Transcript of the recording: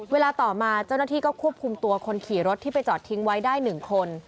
เวลาต่อมาเจ้าหน้าที่ก็ควบคุมตัวคนขี่รถที่ไปจอดทิ้งไว้ได้๑คน